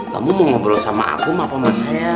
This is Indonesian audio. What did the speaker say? kamu mau ngobrol sama aku mah apa sama saya